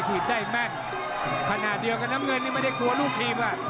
เทียบได้แม่กขณะเดียวกับน้ำเงินนี่ไม่ได้ควรลูกเทียบอ่ะ